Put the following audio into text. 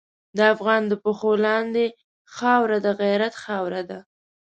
د افغان د پښو لاندې خاوره د غیرت خاوره ده.